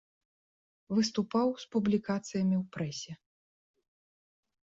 Выступаў з публікацыямі ў прэсе.